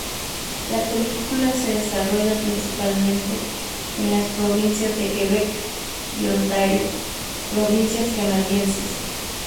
La película se desarrolla principalmente en las provincias de Quebec y Ontario, provincias canadienses.